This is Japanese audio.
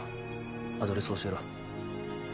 アドレス教えろ。